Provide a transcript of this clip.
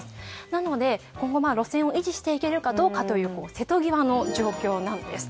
なので今後、路線を維持していけるかどうかという瀬戸際の状況なんです。